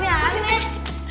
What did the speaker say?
eh itu nari eh